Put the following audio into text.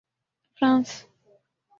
France